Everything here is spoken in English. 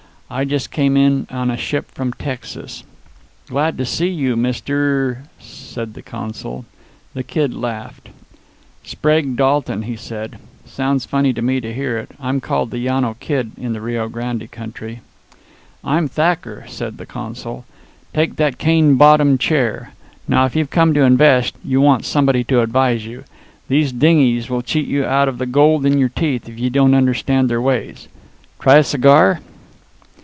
I just came in on a ship from Texas." "Glad to see you, Mr. " said the consul. The Kid laughed. "Sprague Dalton," he said. "It sounds funny to me to hear it. I'm called the Llano Kid in the Rio Grande country." "I'm Thacker," said the consul. "Take that cane bottom chair. Now if you've come to invest, you want somebody to advise you. These dingies will cheat you out of the gold in your teeth if you don't understand their ways. Try a cigar?"